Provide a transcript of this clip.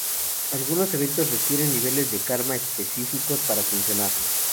Algunos eventos requieren niveles de karma específicos para funcionar.